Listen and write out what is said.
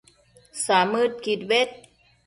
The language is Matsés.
samëdquid bed